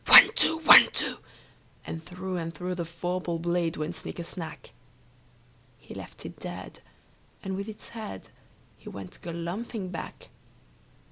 One, two! One, two! And through, and through The vorpal blade went snicker snack! He left it dead, and with its head He went galumphing back.